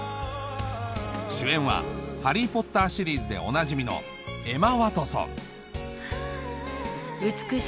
主演は『ハリー・ポッター』シリーズでおなじみの誰なの？